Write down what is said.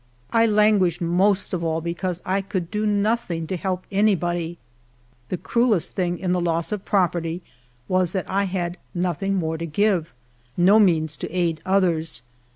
I languished most of all be cause I could do nothino^ to help an^^body ; the cruelest thing in the loss of property was that 1 had nothing more to give, no means to aid others.